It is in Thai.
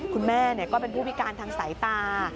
คุณแม่ก็เป็นผู้พิการทางสายตา